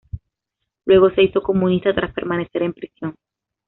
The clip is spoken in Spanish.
Luego se hizo comunista tras permanecer en prisión.